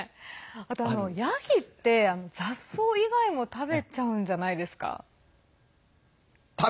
あと、ヤギって雑草以外も食べちゃうんじゃないですか？